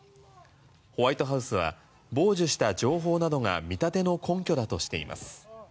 ホワイトハウスは傍受した情報などが見立ての根拠だとしています。